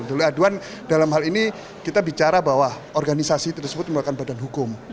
delik aduan dalam hal ini kita bicara bahwa organisasi tersebut merupakan badan hukum